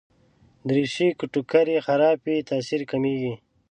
دریشي که ټوکر يې خراب وي، تاثیر کمېږي.